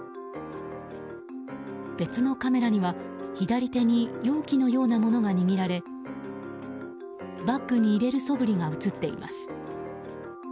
別のカメラには、左手に容器のようなものが握られバッグに入れるそぶりが映っています。